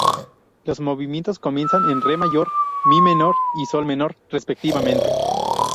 Los movimientos comienzan en Re mayor, mi menor y sol menor, respectivamente.